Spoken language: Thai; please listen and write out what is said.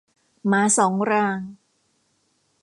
หมาสองราง